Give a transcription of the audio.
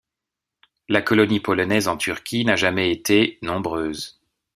La colonie polonaise en Turquie n'a jamais été nombreuse.